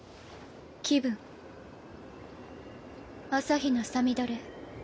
気分朝日奈さみだれ